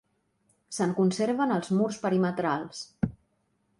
Se'n conserven els murs perimetrals.